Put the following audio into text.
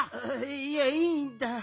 いやいいんだ。